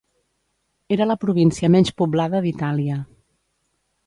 Era la província menys poblada d'Itàlia.